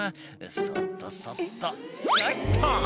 「そっとそっとひょいっと」